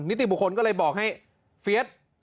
นิติบุคคลก็เลยบอกให้เฟียส